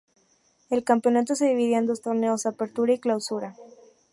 El campeonato se dividía en dos torneos: Apertura y Clausura.